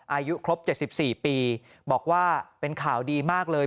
อายุครบ๗๔ปีบอกว่าเป็นข่าวดีมากเลย